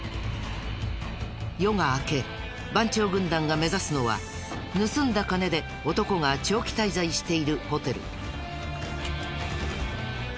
夜が明け番長軍団が目指すのは盗んだ金で男が長期滞在しているホテル。